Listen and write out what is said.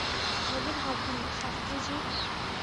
নবীন হাঁক দিলে, শাস্ত্রীজি।